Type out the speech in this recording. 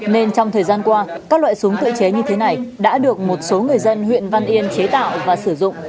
nên trong thời gian qua các loại súng tự chế như thế này đã được một số người dân huyện văn yên chế tạo và sử dụng